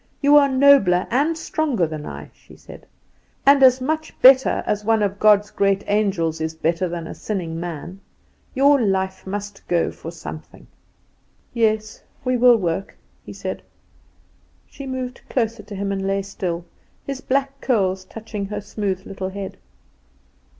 You are nobler and stronger than I," she said; "and as much better as one of God's great angels is better than a sinning man. Your life must go for something." "Yes, we will work," he said. She moved closer to him and lay still, his black curls touching her smooth little head.